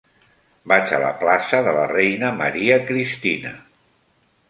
Vaig a la plaça de la Reina Maria Cristina.